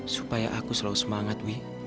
supaya aku selalu semangat wi